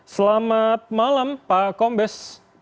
selamat malam pak kombes